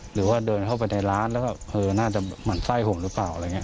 หรือว่าเดินเข้าไปในร้านแล้วก็เออน่าจะหมั่นไส้ผมหรือเปล่าอะไรอย่างนี้